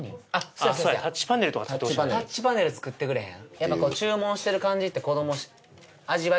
そやそやタッチパネル作ってくれへん？